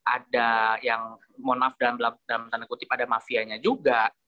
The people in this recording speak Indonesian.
ada yang mohon maaf dalam tanda kutip ada mafianya juga